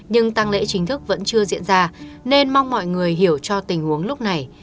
nhưng tăng lễ chính thức vẫn chưa diễn ra nên mong mọi người hiểu cho tình huống lúc này